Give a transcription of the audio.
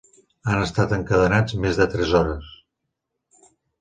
Han estat encadenats més de tres hores